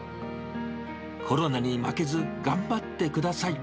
コロナに負けず、頑張ってください。